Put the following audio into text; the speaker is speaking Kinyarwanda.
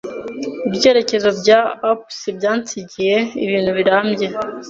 Ibyerekezo bya Alpes byansigiye ibintu birambye.